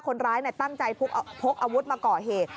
คนร้ายตั้งใจพกอาวุธมาก่อเหตุ